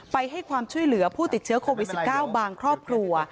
ให้ความช่วยเหลือผู้ติดเชื้อโควิด๑๙บางครอบครัว